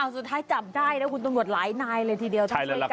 สุดท้ายจับได้แล้วคุณตำรวจหลายนายเลยทีเดียว